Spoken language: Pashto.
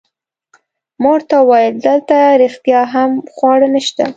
ما ورته وویل: دلته رښتیا هم خواړه نشته؟